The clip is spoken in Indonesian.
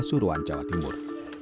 di seluruhan jawa timur